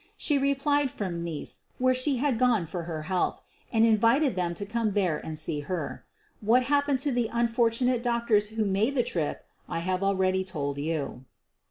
She replied from Nice, where she had "gone for her health," and invited them to come there and see her. What happened to the unfortunate doctors who made the trip I have already told you.